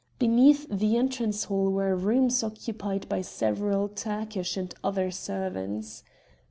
Beneath the entrance hall were rooms occupied by several Turkish and other servants.